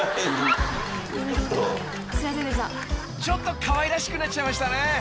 ［ちょっとかわいらしくなっちゃいましたね］